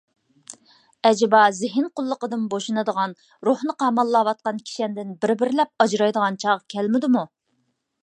ئەجىبا زېھىن قۇللۇقىدىن بوشىنىدىغان، روھنى قاماللاۋاتقان كىشەندىن بىر بىرلەپ ئاجرايدىغان چاغ كەلمىدىمۇ؟